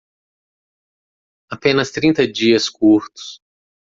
Apenas trinta dias curtos.